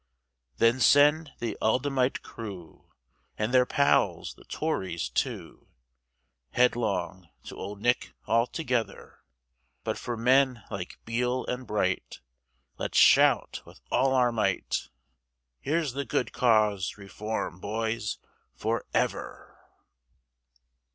Then send the Adullamite crew, And their pals, the Tories, too, Headlong to Old Nick altogether, But for men like Beale and Bright, Let's shout with all our might, Here's the good cause, Reform, boys, for ever!